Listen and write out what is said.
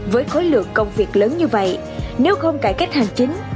với khối lượng công việc lớn như vậy nếu không cải cách hành chính